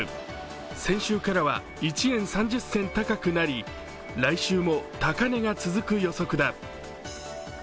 先週からは１円３０銭高くなり、来週も高値が続く予測だ。